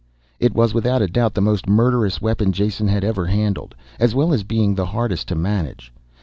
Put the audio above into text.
It was without a doubt the most murderous weapon Jason had ever handled, as well as being the hardest to manage.